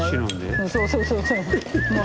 そうそうそうそう。